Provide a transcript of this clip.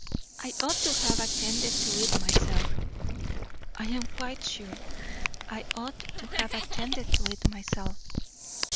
I ought to have attended to it myself. I am quite sure I ought to have attended to it myself.'